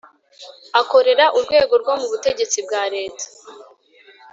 Akorera urwego rwo mu butegetsi bwa Leta